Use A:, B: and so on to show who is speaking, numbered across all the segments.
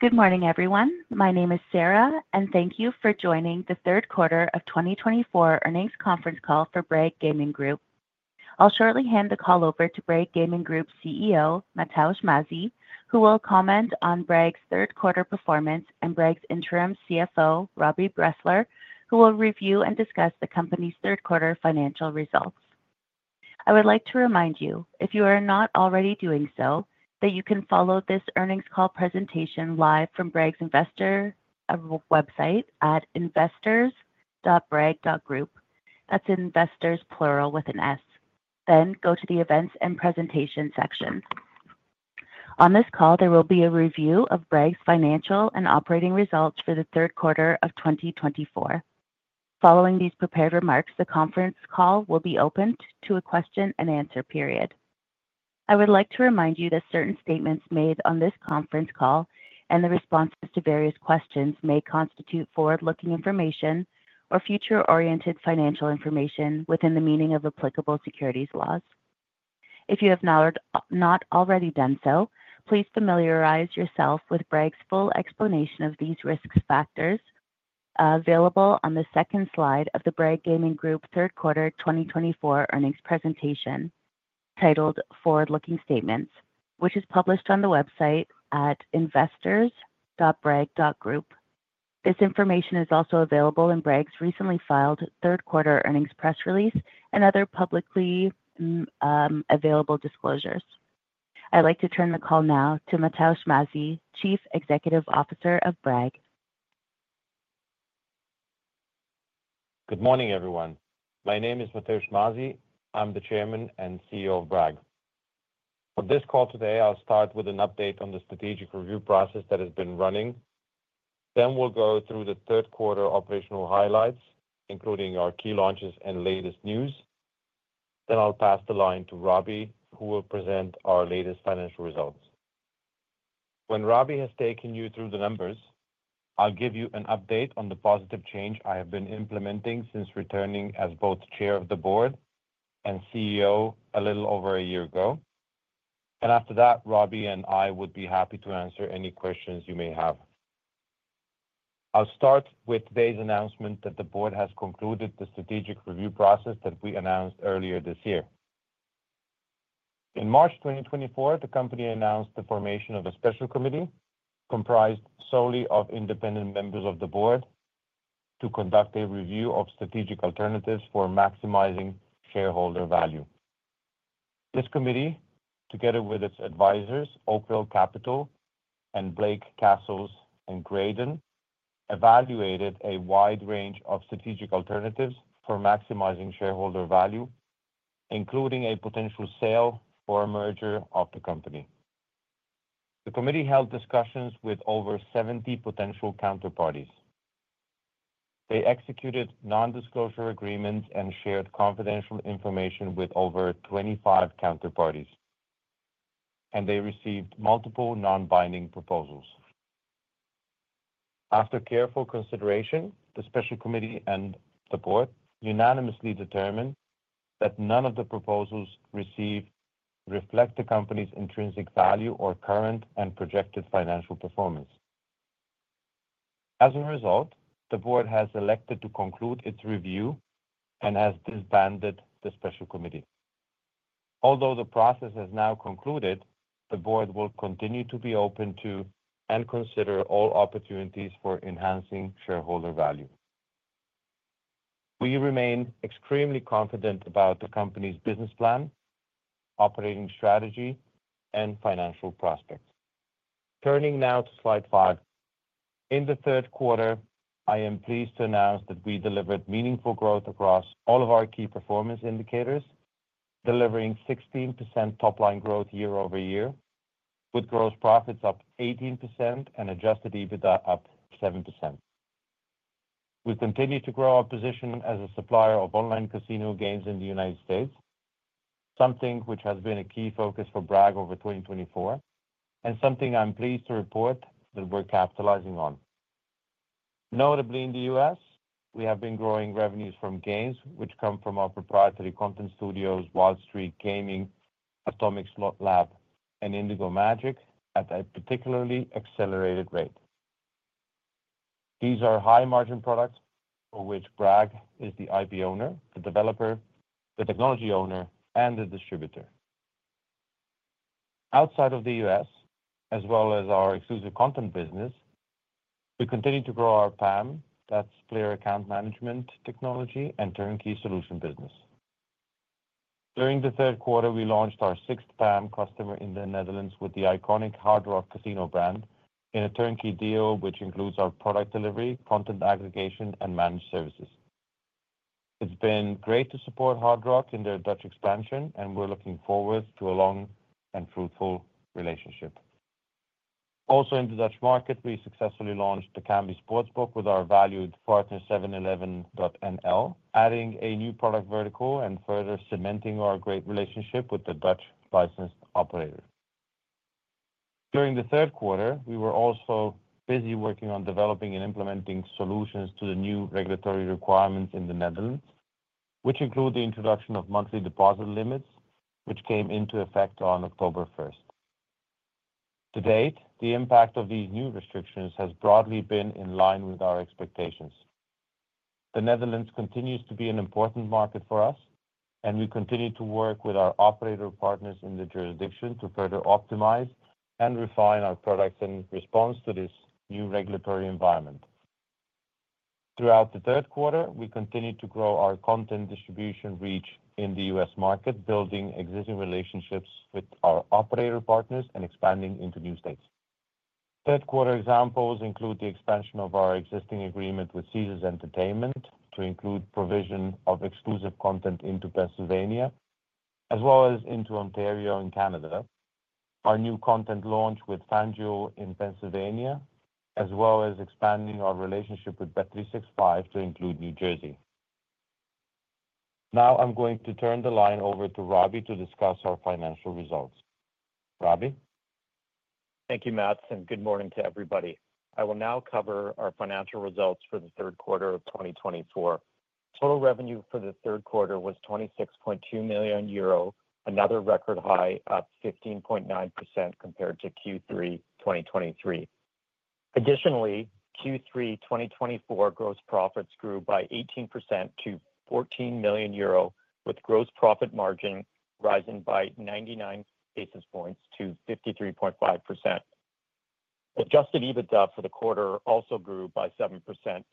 A: Good morning, everyone. My name is Sarah, and thank you for joining the third quarter of 2024 earnings conference call for Bragg Gaming Group. I'll shortly hand the call over to Bragg Gaming Group CEO, Matevž Mazij, who will comment on Bragg's third quarter performance, and Bragg's interim CFO, Robbie Bressler, who will review and discuss the company's third quarter financial results. I would like to remind you, if you are not already doing so, that you can follow this earnings call presentation live from Bragg's investor website at investors.bragg.group. That's investors, plural with an S. Then go to the events and presentation section. On this call, there will be a review of Bragg's financial and operating results for the third quarter of 2024. Following these prepared remarks, the conference call will be opened to a question-and-answer period. I would like to remind you that certain statements made on this conference call and the responses to various questions may constitute forward-looking information or future-oriented financial information within the meaning of applicable securities laws. If you have not already done so, please familiarize yourself with Bragg's full explanation of these risk factors available on the second slide of the Bragg Gaming Group third quarter 2024 earnings presentation titled Forward-Looking Statements, which is published on the website at investors.brag.group. This information is also available in Bragg's recently filed third quarter earnings press release and other publicly available disclosures. I'd like to turn the call now to Matevž Mazij, Chief Executive Officer of Bragg.
B: Good morning, everyone. My name is Matevž Mazij. I'm the Chairman and CEO of Bragg. For this call today, I'll start with an update on the strategic review process that has been running. Then we'll go through the third quarter operational highlights, including our key launches and latest news. Then I'll pass the line to Robbie, who will present our latest financial results. When Robbie has taken you through the numbers, I'll give you an update on the positive change I have been implementing since returning as both Chair of the Board and CEO a little over a year ago, and after that, Robbie and I would be happy to answer any questions you may have. I'll start with today's announcement that the Board has concluded the strategic review process that we announced earlier this year. In March 2024, the company announced the formation of a special committee comprised solely of independent members of the Board to conduct a review of strategic alternatives for maximizing shareholder value. This committee, together with its advisors, Oakvale Capital and Blake, Cassels & Graydon, evaluated a wide range of strategic alternatives for maximizing shareholder value, including a potential sale or merger of the company. The committee held discussions with over 70 potential counterparties. They executed non-disclosure agreements and shared confidential information with over 25 counterparties, and they received multiple non-binding proposals. After careful consideration, the special committee and the Board unanimously determined that none of the proposals reflect the company's intrinsic value or current and projected financial performance. As a result, the Board has elected to conclude its review and has disbanded the special committee. Although the process has now concluded, the Board will continue to be open to and consider all opportunities for enhancing shareholder value. We remain extremely confident about the company's business plan, operating strategy, and financial prospects. Turning now to slide five, in the third quarter, I am pleased to announce that we delivered meaningful growth across all of our key performance indicators, delivering 16% top-line growth year over year, with gross profits up 18% and Adjusted EBITDA up 7%. We continue to grow our position as a supplier of online casino games in the United States, something which has been a key focus for Bragg over 2024, and something I'm pleased to report that we're capitalizing on. Notably, in the U.S., we have been growing revenues from games which come from our proprietary content studios, Wild Streak Gaming, Atomic Slot Lab, and Indigo Magic at a particularly accelerated rate. These are high-margin products for which Bragg is the IP owner, the developer, the technology owner, and the distributor. Outside of the U.S., as well as our exclusive content business, we continue to grow our PAM, that's Player Account Management technology, and turnkey solution business. During the third quarter, we launched our sixth PAM customer in the Netherlands with the iconic Hard Rock Casino brand in a turnkey deal which includes our product delivery, content aggregation, and managed services. It's been great to support Hard Rock in their Dutch expansion, and we're looking forward to a long and fruitful relationship. Also, in the Dutch market, we successfully launched the Kambi Sportsbook with our valued partner, 711.nl, adding a new product vertical and further cementing our great relationship with the Dutch licensed operator. During the third quarter, we were also busy working on developing and implementing solutions to the new regulatory requirements in the Netherlands, which include the introduction of monthly deposit limits, which came into effect on October 1st. To date, the impact of these new restrictions has broadly been in line with our expectations. The Netherlands continues to be an important market for us, and we continue to work with our operator partners in the jurisdiction to further optimize and refine our products in response to this new regulatory environment. Throughout the third quarter, we continue to grow our content distribution reach in the U.S. market, building existing relationships with our operator partners and expanding into new states. Third quarter examples include the expansion of our existing agreement with Caesars Entertainment to include provision of exclusive content into Pennsylvania, as well as into Ontario and Canada, our new content launch with FanDuel in Pennsylvania, as well as expanding our relationship with bet365 to include New Jersey. Now I'm going to turn the line over to Robbie to discuss our financial results. Robbie?
C: Thank you, Matt. And good morning to everybody. I will now cover our financial results for the third quarter of 2024. Total revenue for the third quarter was 26.2 million euro, another record high, up 15.9% compared to Q3 2023. Additionally, Q3 2024 gross profits grew by 18% to 14 million euro, with gross profit margin rising by 99 basis points to 53.5%. Adjusted EBITDA for the quarter also grew by 7%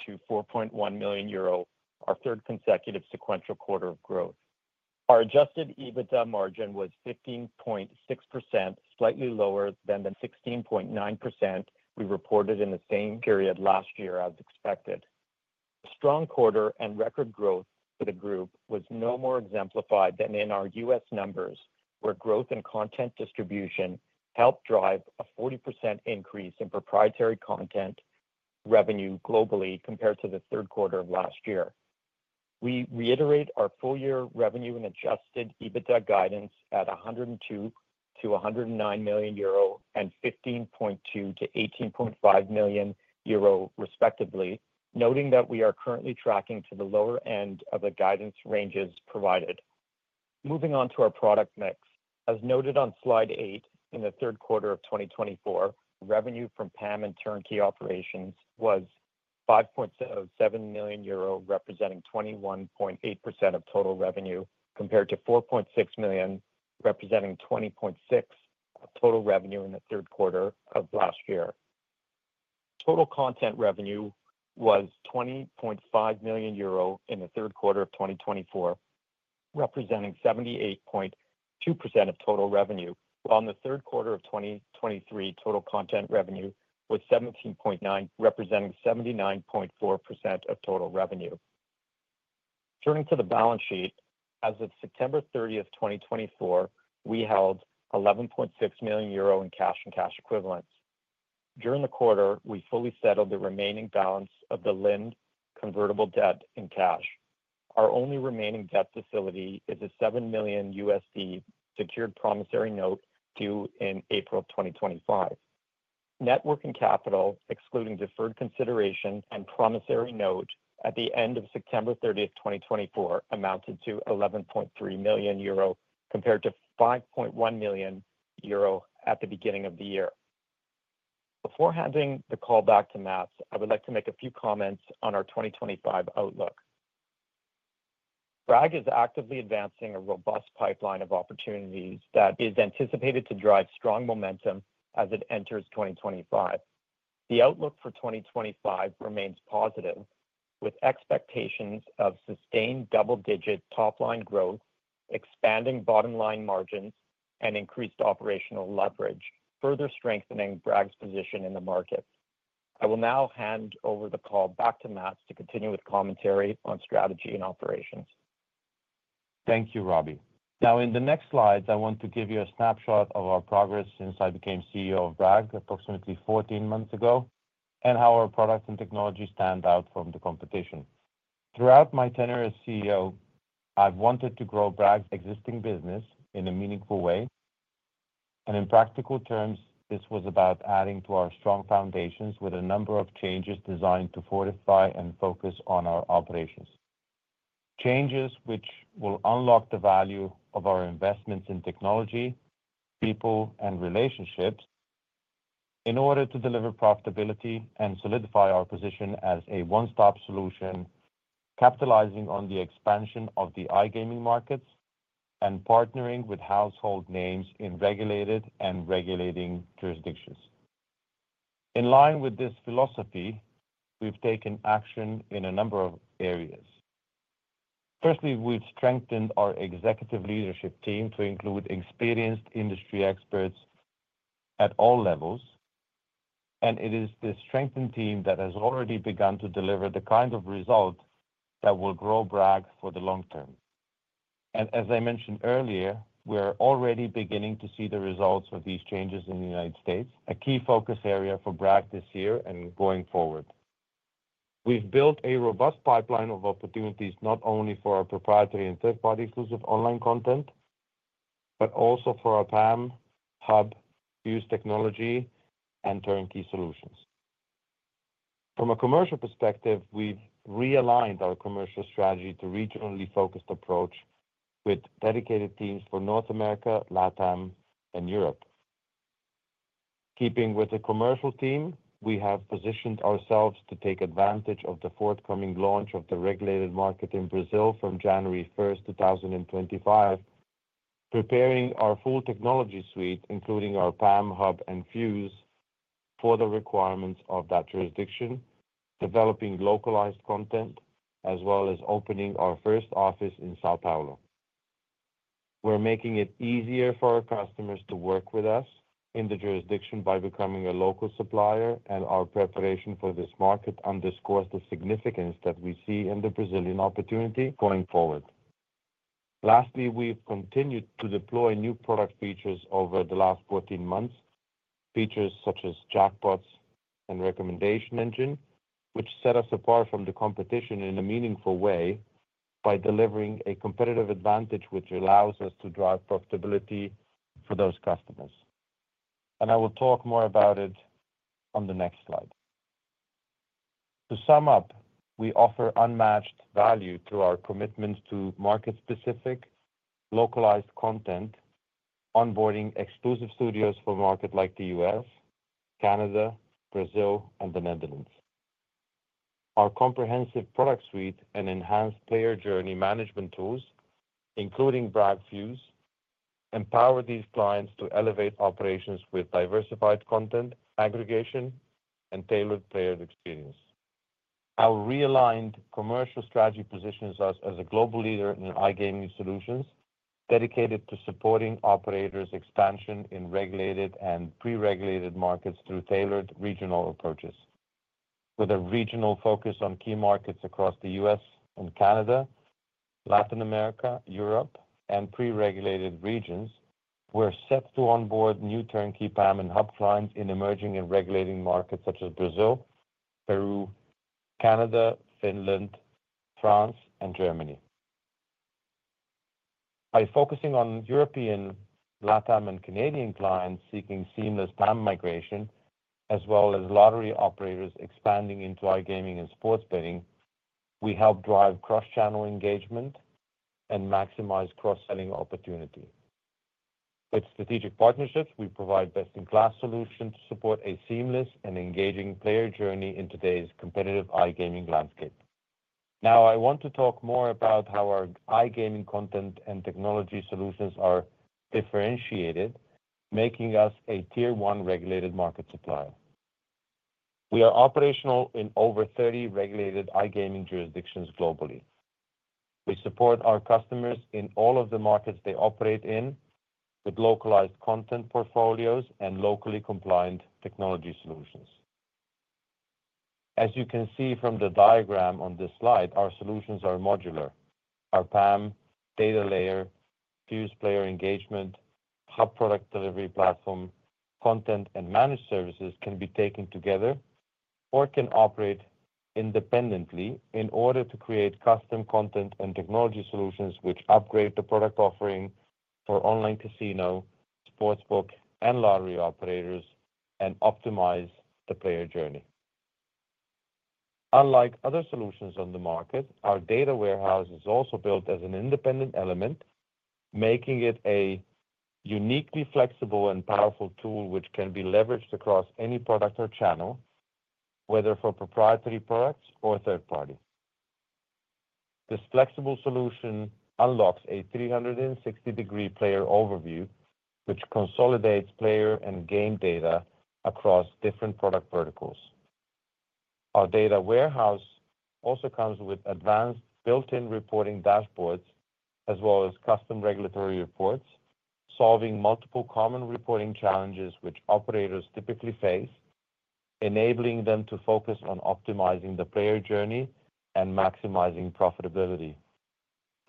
C: to 4.1 million euro, our third consecutive sequential quarter of growth. Our adjusted EBITDA margin was 15.6%, slightly lower than the 16.9% we reported in the same period last year as expected. A strong quarter and record growth for the group was no more exemplified than in our U.S. numbers, where growth in content distribution helped drive a 40% increase in proprietary content revenue globally compared to the third quarter of last year. We reiterate our full-year revenue and Adjusted EBITDA guidance at 102 million-109 million euro and 15.2 million-18.5 million euro, respectively, noting that we are currently tracking to the lower end of the guidance ranges provided. Moving on to our product mix, as noted on slide eight in the third quarter of 2024, revenue from PAM and turnkey operations was 5.7 million euro, representing 21.8% of total revenue, compared to 4.6 million, representing 20.6% of total revenue in the third quarter of last year. Total content revenue was 20.5 million euro in the third quarter of 2024, representing 78.2% of total revenue, while in the third quarter of 2023, total content revenue was 17.9 million, representing 79.4% of total revenue. Turning to the balance sheet, as of September 30th, 2024, we held 11.6 million euro in cash and cash equivalents. During the quarter, we fully settled the remaining balance of the Lind convertible debt in cash. Our only remaining debt facility is a $7 million secured promissory note due in April 2025. Net cash and capital, excluding deferred consideration and promissory note at the end of September 30th, 2024, amounted to 11.3 million euro, compared to 5.1 million euro at the beginning of the year. Before handing the call back to Matt, I would like to make a few comments on our 2025 outlook. Bragg is actively advancing a robust pipeline of opportunities that is anticipated to drive strong momentum as it enters 2025. The outlook for 2025 remains positive, with expectations of sustained double-digit top-line growth, expanding bottom-line margins, and increased operational leverage, further strengthening Bragg's position in the market. I will now hand over the call back to Matt to continue with commentary on strategy and operations.
B: Thank you, Robbie. Now, in the next slides, I want to give you a snapshot of our progress since I became CEO of Bragg approximately 14 months ago and how our products and technology stand out from the competition. Throughout my tenure as CEO, I've wanted to grow Bragg's existing business in a meaningful way, and in practical terms, this was about adding to our strong foundations with a number of changes designed to fortify and focus on our operations, changes which will unlock the value of our investments in technology, people, and relationships in order to deliver profitability and solidify our position as a one-stop solution, capitalizing on the expansion of the iGaming markets and partnering with household names in regulated and regulating jurisdictions. In line with this philosophy, we've taken action in a number of areas. Firstly, we've strengthened our executive leadership team to include experienced industry experts at all levels. And it is this strengthened team that has already begun to deliver the kind of result that will grow Bragg for the long term. And as I mentioned earlier, we're already beginning to see the results of these changes in the United States, a key focus area for Bragg this year and going forward. We've built a robust pipeline of opportunities not only for our proprietary and third-party exclusive online content, but also for our PAM, Hub, Fuse technology, and turnkey solutions. From a commercial perspective, we've realigned our commercial strategy to regionally focused approach with dedicated teams for North America, LATAM, and Europe. Keeping with the commercial team, we have positioned ourselves to take advantage of the forthcoming launch of the regulated market in Brazil from January 1st, 2025, preparing our full technology suite, including our PAM, HUB, and Fuse for the requirements of that jurisdiction, developing localized content, as well as opening our first office in São Paulo. We're making it easier for our customers to work with us in the jurisdiction by becoming a local supplier, and our preparation for this market underscores the significance that we see in the Brazilian opportunity going forward. Lastly, we've continued to deploy new product features over the last 14 months, features such as jackpots and recommendation engine, which set us apart from the competition in a meaningful way by delivering a competitive advantage which allows us to drive profitability for those customers. And I will talk more about it on the next slide. To sum up, we offer unmatched value through our commitment to market-specific localized content, onboarding exclusive studios for markets like the U.S., Canada, Brazil, and the Netherlands. Our comprehensive product suite and enhanced player journey management tools, including Bragg Fuse, empower these clients to elevate operations with diversified content, aggregation and tailored player experience. Our realigned commercial strategy positions us as a global leader in iGaming solutions dedicated to supporting operators' expansion in regulated and pre-regulated markets through tailored regional approaches. With a regional focus on key markets across the U.S. and Canada, Latin America, Europe, and pre-regulated regions, we're set to onboard new turnkey PAM and Hub clients in emerging and regulating markets such as Brazil, Peru, Canada, Finland, France, and Germany. By focusing on European LATAM and Canadian clients seeking seamless PAM migration, as well as lottery operators expanding into iGaming and sports betting, we help drive cross-channel engagement and maximize cross-selling opportunity. With strategic partnerships, we provide best-in-class solutions to support a seamless and engaging player journey in today's competitive iGaming landscape. Now, I want to talk more about how our iGaming content and technology solutions are differentiated, making us a tier-one regulated market supplier. We are operational in over 30 regulated iGaming jurisdictions globally. We support our customers in all of the markets they operate in with localized content portfolios and locally compliant technology solutions. As you can see from the diagram on this slide, our solutions are modular. Our PAM data layer, Fuse Player Engagement, Hub product delivery platform, content, and managed services can be taken together or can operate independently in order to create custom content and technology solutions which upgrade the product offering for online casino, sportsbook, and lottery operators and optimize the player journey. Unlike other solutions on the market, our data warehouse is also built as an independent element, making it a uniquely flexible and powerful tool which can be leveraged across any product or channel, whether for proprietary products or third-party. This flexible solution unlocks a 360-degree player overview which consolidates player and game data across different product verticals. Our data warehouse also comes with advanced built-in reporting dashboards as well as custom regulatory reports, solving multiple common reporting challenges which operators typically face, enabling them to focus on optimizing the player journey and maximizing profitability.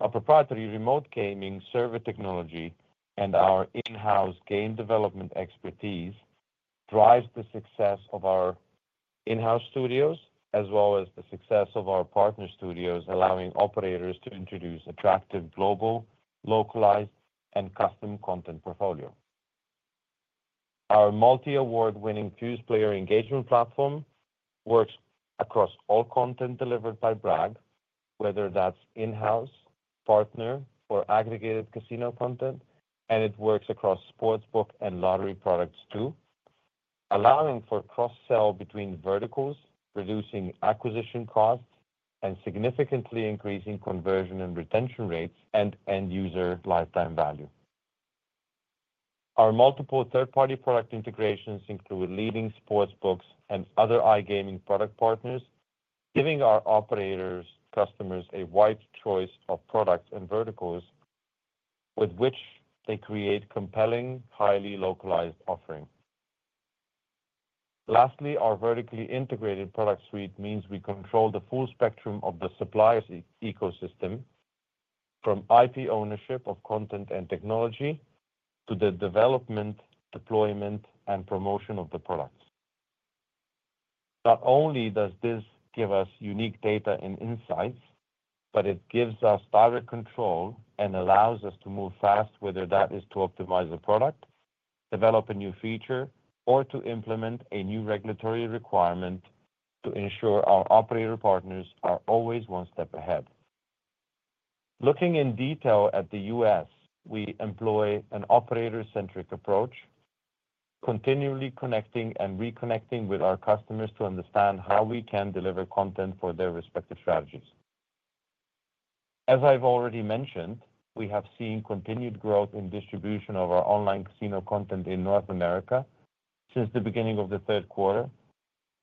B: Our proprietary remote gaming server technology and our in-house game development expertise drive the success of our in-house studios as well as the success of our partner studios, allowing operators to introduce attractive global, localized, and custom content portfolio. Our multi-award-winning Fuse Player Engagement platform works across all content delivered by Bragg, whether that's in-house, partner, or aggregated casino content, and it works across sportsbook and lottery products too, allowing for cross-sell between verticals, reducing acquisition costs and significantly increasing conversion and retention rates and end-user lifetime value. Our multiple third-party product integrations include leading sportsbooks and other iGaming product partners, giving our operators' customers a wide choice of products and verticals with which they create compelling, highly localized offerings. Lastly, our vertically integrated product suite means we control the full spectrum of the supplier's ecosystem, from IP ownership of content and technology to the development, deployment, and promotion of the products. Not only does this give us unique data and insights, but it gives us direct control and allows us to move fast, whether that is to optimize a product, develop a new feature, or to implement a new regulatory requirement to ensure our operator partners are always one step ahead. Looking in detail at the U.S., we employ an operator-centric approach, continually connecting and reconnecting with our customers to understand how we can deliver content for their respective strategies. As I've already mentioned, we have seen continued growth in distribution of our online casino content in North America since the beginning of the third quarter,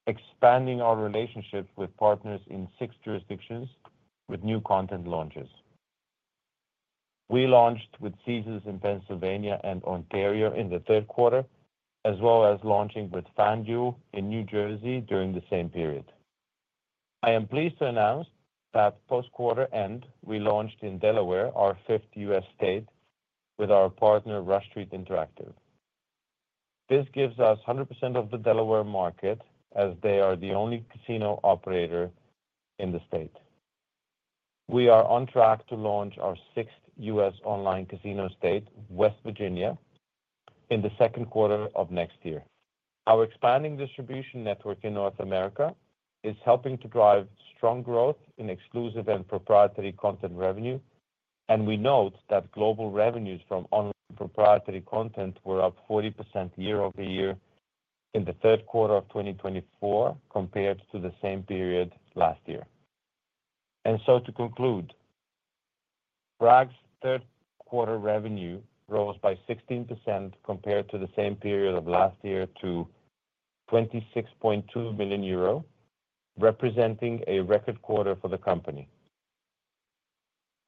B: expanding our relationship with partners in six jurisdictions with new content launches. We launched with Caesars in Pennsylvania and Ontario in the third quarter, as well as launching with FanDuel in New Jersey during the same period. I am pleased to announce that post-quarter end, we launched in Delaware, our fifth U.S. state, with our partner Rush Street Interactive. This gives us 100% of the Delaware market as they are the only casino operator in the state. We are on track to launch our sixth U.S. online casino state, West Virginia, in the second quarter of next year. Our expanding distribution network in North America is helping to drive strong growth in exclusive and proprietary content revenue, and we note that global revenues from online proprietary content were up 40% year over year in the third quarter of 2024 compared to the same period last year. To conclude, Bragg's third quarter revenue rose by 16% compared to the same period of last year to 26.2 million euro, representing a record quarter for the company.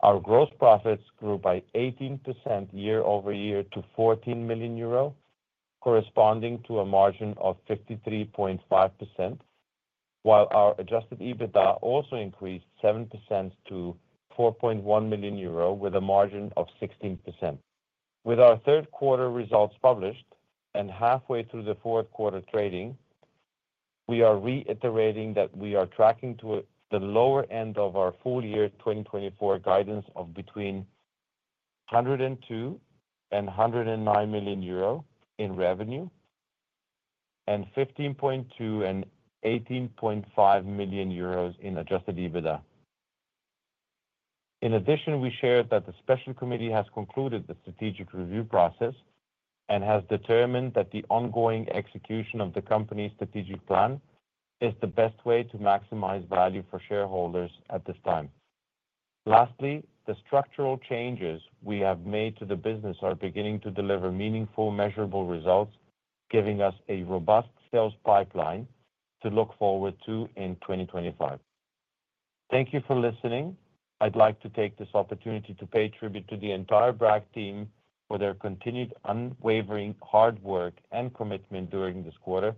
B: Our gross profits grew by 18% year over year to 14 million euro, corresponding to a margin of 53.5%, while our Adjusted EBITDA also increased 7% to 4.1 million euro with a margin of 16%. With our third quarter results published and halfway through the fourth quarter trading, we are reiterating that we are tracking to the lower end of our full year 2024 guidance of between 102 million and 109 million euro in revenue and 15.2 million and 18.5 million euros in Adjusted EBITDA. In addition, we shared that the special committee has concluded the strategic review process and has determined that the ongoing execution of the company's strategic plan is the best way to maximize value for shareholders at this time. Lastly, the structural changes we have made to the business are beginning to deliver meaningful, measurable results, giving us a robust sales pipeline to look forward to in 2025. Thank you for listening. I'd like to take this opportunity to pay tribute to the entire Bragg team for their continued unwavering hard work and commitment during this quarter.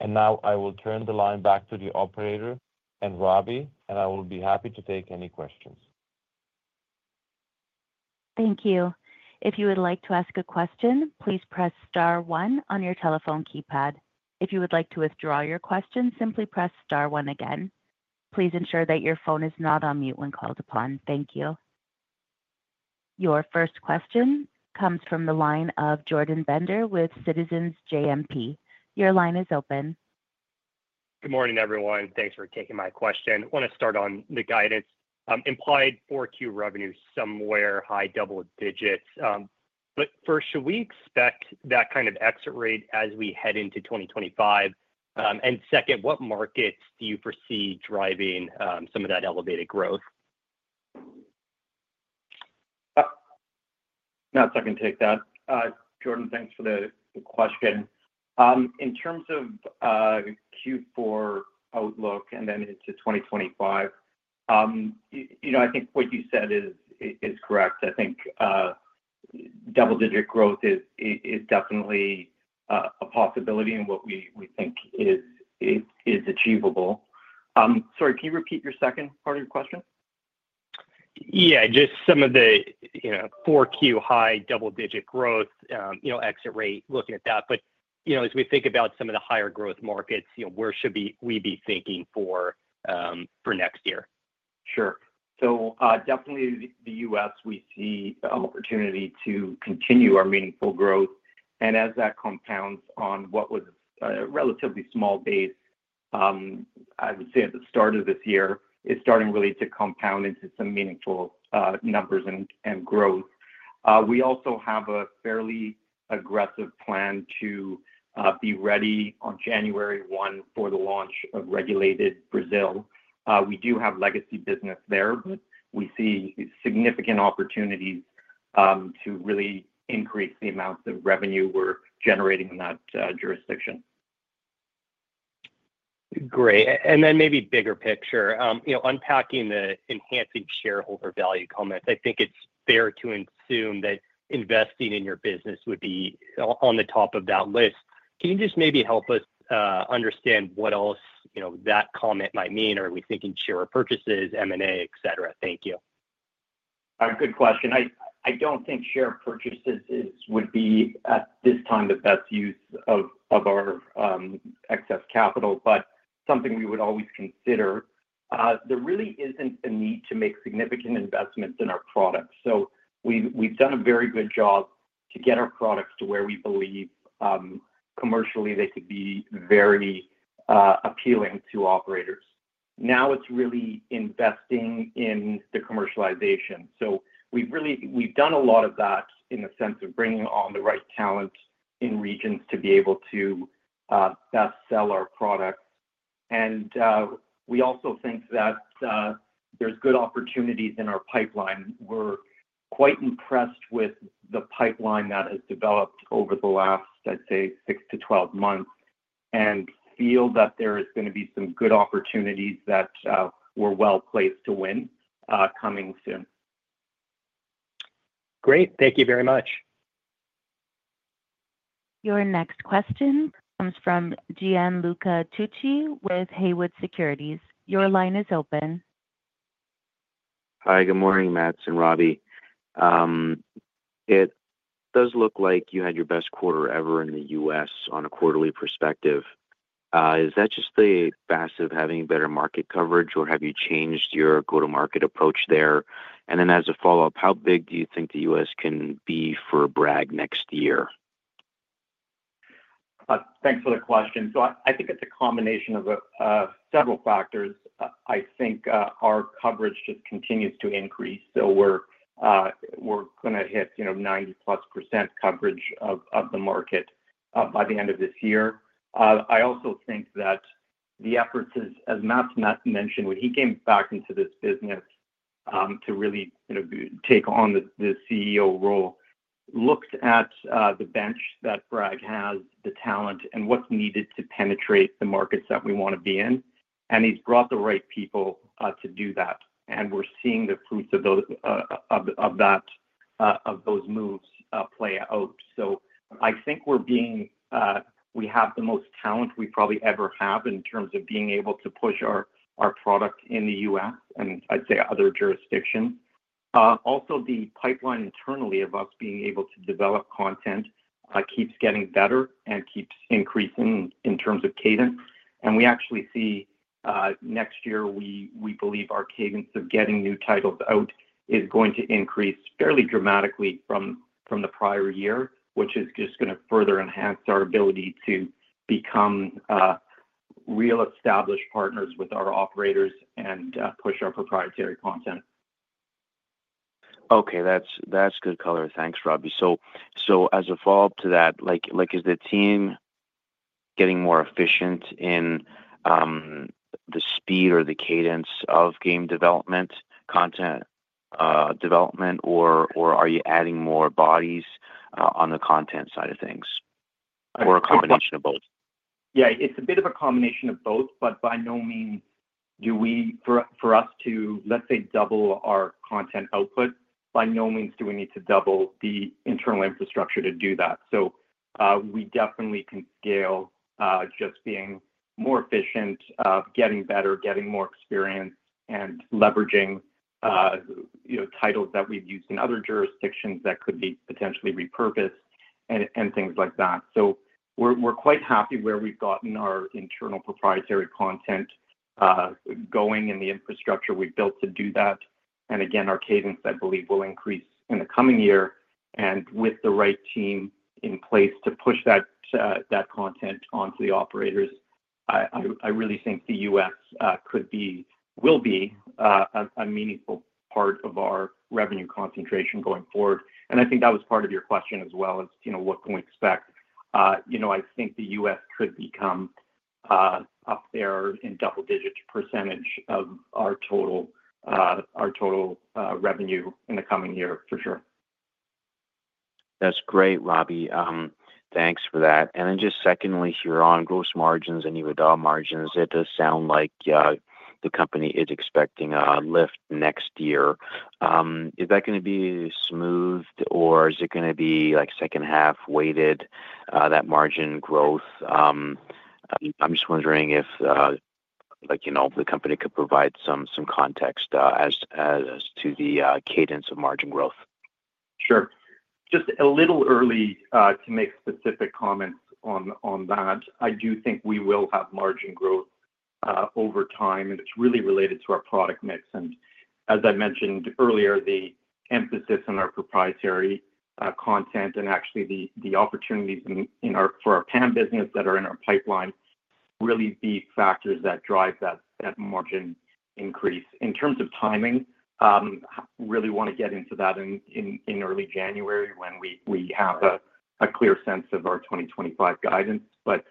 B: And now I will turn the line back to the operator and Robbie, and I will be happy to take any questions.
A: Thank you. If you would like to ask a question, please press star one on your telephone keypad. If you would like to withdraw your question, simply press star one again. Please ensure that your phone is not on mute when called upon. Thank you. Your first question comes from the line of Jordan Bender with Citizens JMP. Your line is open.
D: Good morning, everyone. Thanks for taking my question. I want to start on the guidance. Implied 4Q revenue somewhere high double digits. But first, should we expect that kind of exit rate as we head into 2025? And second, what markets do you foresee driving some of that elevated growth?
C: Not that I can take that. Jordan, thanks for the question. In terms of Q4 outlook and then into 2025, I think what you said is correct. I think double-digit growth is definitely a possibility and what we think is achievable. Sorry, can you repeat your second part of your question?
D: Yeah, just some of the 4Q high double-digit growth exit rate, looking at that. But as we think about some of the higher growth markets, where should we be thinking for next year?
C: Sure. So definitely the U.S., we see an opportunity to continue our meaningful growth. And as that compounds on what was a relatively small base, I would say at the start of this year, it's starting really to compound into some meaningful numbers and growth. We also have a fairly aggressive plan to be ready on January 1 for the launch of regulated Brazil. We do have legacy business there, but we see significant opportunities to really increase the amounts of revenue we're generating in that jurisdiction.
D: Great. And then maybe bigger picture, unpacking the enhancing shareholder value comments, I think it's fair to assume that investing in your business would be on the top of that list. Can you just maybe help us understand what else that comment might mean? Are we thinking share purchases, M&A, etc.? Thank you.
C: Good question. I don't think share purchases would be at this time the best use of our excess capital, but something we would always consider. There really isn't a need to make significant investments in our products. So we've done a very good job to get our products to where we believe commercially they could be very appealing to operators. Now it's really investing in the commercialization. So we've done a lot of that in the sense of bringing on the right talent in regions to be able to best sell our products. And we also think that there's good opportunities in our pipeline. We're quite impressed with the pipeline that has developed over the last, I'd say, six to 12 months and feel that there is going to be some good opportunities that we're well placed to win coming soon.
D: Great. Thank you very much.
A: Your next question comes from Gianluca Tucci with Haywood Securities. Your line is open.
E: Hi, good morning, Matt and Robbie. It does look like you had your best quarter ever in the U.S. on a quarterly perspective. Is that just the fact of having better market coverage, or have you changed your go-to-market approach there? And then as a follow-up, how big do you think the U.S. can be for Bragg next year?
C: Thanks for the question. So I think it's a combination of several factors. I think our coverage just continues to increase. So we're going to hit 90%+ coverage of the market by the end of this year. I also think that the efforts, as Matt mentioned, when he came back into this business to really take on the CEO role, looked at the bench that Bragg has, the talent, and what's needed to penetrate the markets that we want to be in. And he's brought the right people to do that. And we're seeing the fruits of those moves play out. So I think we have the most talent we probably ever have in terms of being able to push our product in the U.S. and, I'd say, other jurisdictions. Also, the pipeline internally of us being able to develop content keeps getting better and keeps increasing in terms of cadence. We actually see next year, we believe our cadence of getting new titles out is going to increase fairly dramatically from the prior year, which is just going to further enhance our ability to become real established partners with our operators and push our proprietary content.
E: Okay. That's good color. Thanks, Robbie. So as a follow-up to that, is the team getting more efficient in the speed or the cadence of game development, content development, or are you adding more bodies on the content side of things or a combination of both?
C: Yeah, it's a bit of a combination of both, but by no means do we, for us to, let's say, double our content output, by no means do we need to double the internal infrastructure to do that. So we definitely can scale just being more efficient, getting better, getting more experience, and leveraging titles that we've used in other jurisdictions that could be potentially repurposed and things like that. So we're quite happy where we've gotten our internal proprietary content going and the infrastructure we've built to do that. And again, our cadence, I believe, will increase in the coming year. And with the right team in place to push that content onto the operators, I really think the U.S. could be, will be a meaningful part of our revenue concentration going forward. And I think that was part of your question as well as what can we expect. I think the U.S. could become up there in double-digit % of our total revenue in the coming year, for sure.
E: That's great, Robbie. Thanks for that. Then just secondly, here on gross margins and EBITDA margins, it does sound like the company is expecting a lift next year. Is that going to be smooth, or is it going to be second-half weighted, that margin growth? I'm just wondering if the company could provide some context as to the cadence of margin growth.
C: Sure. Just a little early to make specific comments on that. I do think we will have margin growth over time, and it's really related to our product mix. And as I mentioned earlier, the emphasis on our proprietary content and actually the opportunities for our PAM business that are in our pipeline really be factors that drive that margin increase. In terms of timing, really want to get into that in early January when we have a clear sense of our 2025 guidance. But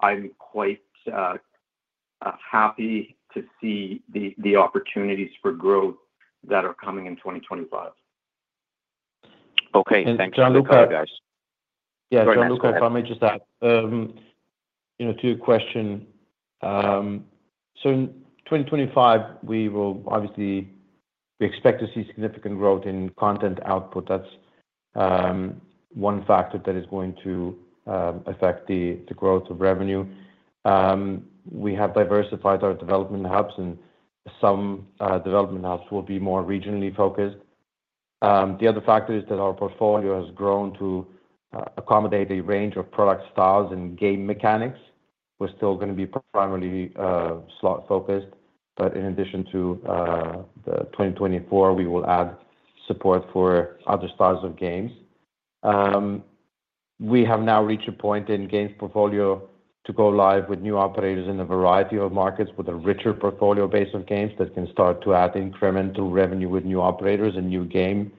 C: I'm quite happy to see the opportunities for growth that are coming in 2025.
E: Okay. Thanks for that, guys.
B: Yeah. Gian Luca, if I may just add to your question. So in 2025, we will obviously expect to see significant growth in content output. That's one factor that is going to affect the growth of revenue. We have diversified our development hubs, and some development hubs will be more regionally focused. The other factor is that our portfolio has grown to accommodate a range of product styles and game mechanics. We're still going to be primarily slot-focused, but in addition to the 2024, we will add support for other styles of games. We have now reached a point in games portfolio to go live with new operators in a variety of markets with a richer portfolio base of games that can start to add incremental revenue with new operators, and new games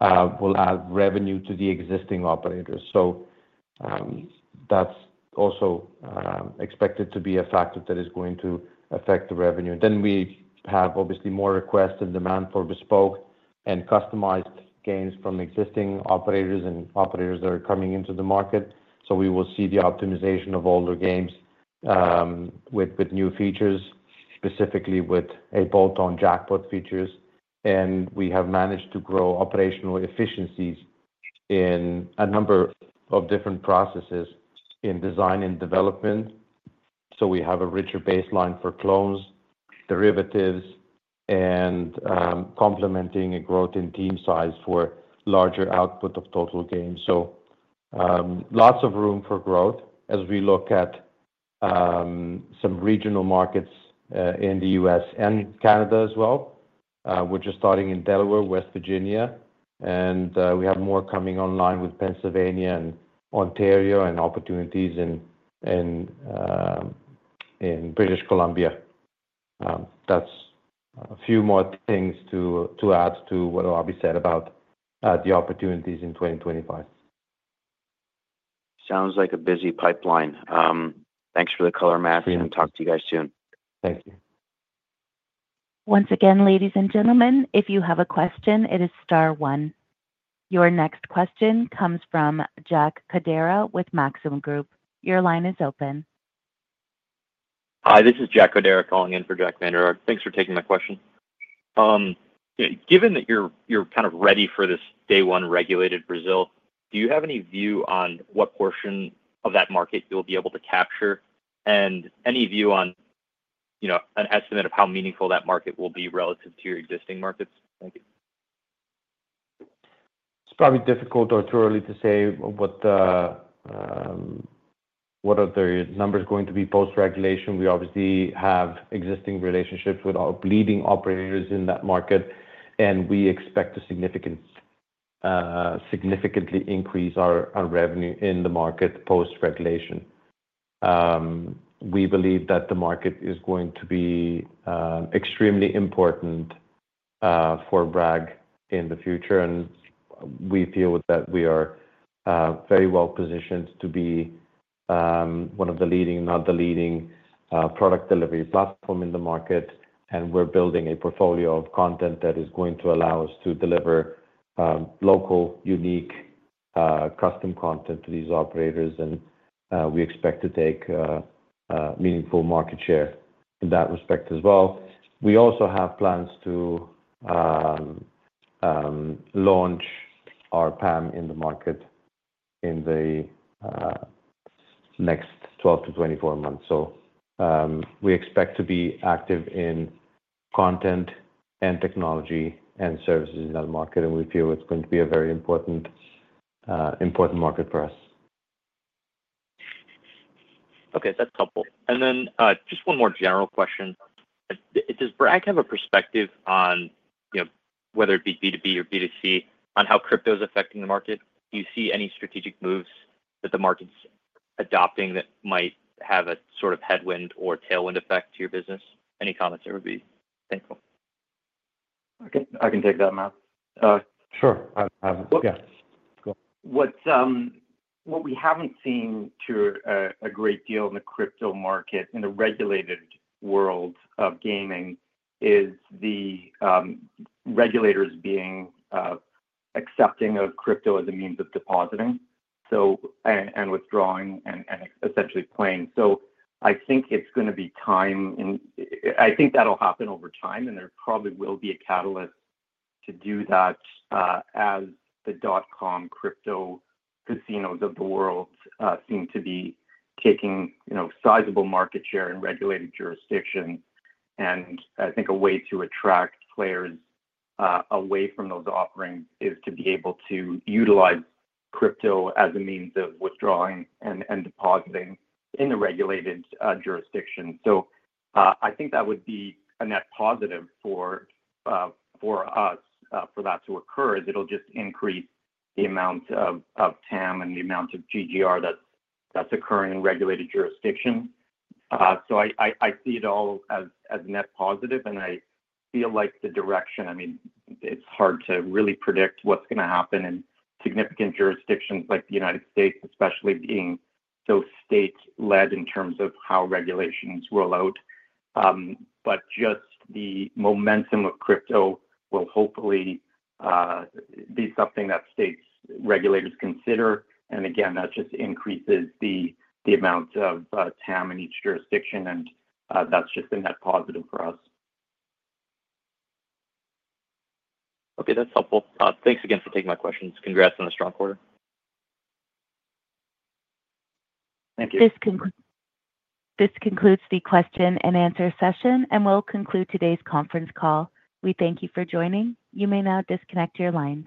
B: will add revenue to the existing operators. So that's also expected to be a factor that is going to affect the revenue. Then we have obviously more requests and demand for bespoke and customized games from existing operators and operators that are coming into the market. So we will see the optimization of older games with new features, specifically with a bolt-on jackpot features. And we have managed to grow operational efficiencies in a number of different processes in design and development. So we have a richer baseline for clones, derivatives, and complementing a growth in team size for larger output of total games. So lots of room for growth as we look at some regional markets in the U.S. and Canada as well. We're just starting in Delaware, West Virginia, and we have more coming online with Pennsylvania and Ontario and opportunities in British Columbia. That's a few more things to add to what Robbie said about the opportunities in 2025.
E: Sounds like a busy pipeline. Thanks for the color, Matt, and talk to you guys soon.
B: Thank you.
A: Once again, ladies and gentlemen, if you have a question, it is star one. Your next question comes from Jack Codera with Maxim Group. Your line is open.
F: Hi, this is Jack Codera calling in for Jack Vander Aarde. Thanks for taking my question. Given that you're kind of ready for this day one regulated Brazil, do you have any view on what portion of that market you'll be able to capture and any view on an estimate of how meaningful that market will be relative to your existing markets? Thank you.
B: It's probably difficult or too early to say what the numbers are going to be post-regulation. We obviously have existing relationships with our leading operators in that market, and we expect to significantly increase our revenue in the market post-regulation. We believe that the market is going to be extremely important for Bragg in the future, and we feel that we are very well positioned to be one of the leading, not the leading, product delivery platform in the market. And we're building a portfolio of content that is going to allow us to deliver local, unique, custom content to these operators, and we expect to take meaningful market share in that respect as well. We also have plans to launch our PAM in the market in the next 12 to 24 months. So we expect to be active in content and technology and services in that market, and we feel it's going to be a very important market for us.
F: Okay. That's helpful. And then just one more general question. Does Bragg have a perspective on whether it be B2B or B2C on how crypto is affecting the market? Do you see any strategic moves that the market's adopting that might have a sort of headwind or tailwind effect to your business? Any comments? I would be thankful.
C: I can take that, Matt. Sure.
B: Yeah. Go on.
C: What we haven't seen to a great degree in the crypto market in the regulated world of gaming is the regulators being accepting of crypto as a means of depositing and withdrawing and essentially playing, so I think it's going to take time. I think that'll happen over time, and there probably will be a catalyst to do that as the dot-com crypto casinos of the world seem to be taking sizable market share in regulated jurisdictions, and I think a way to attract players away from those offerings is to be able to utilize crypto as a means of withdrawing and depositing in the regulated jurisdiction, so I think that would be a net positive for us for that to occur as it'll just increase the amount of TAM and the amount of GGR that's occurring in regulated jurisdictions. So I see it all as net positive, and I feel like the direction, I mean, it's hard to really predict what's going to happen in significant jurisdictions like the United States, especially being so state-led in terms of how regulations roll out. But just the momentum of crypto will hopefully be something that state regulators consider. And again, that just increases the amount of TAM in each jurisdiction, and that's just a net positive for us.
F: Okay. That's helpful. Thanks again for taking my questions. Congrats on the strong quarter. Thank you.
A: This concludes the question and answer session, and we'll conclude today's conference call. We thank you for joining. You may now disconnect your lines.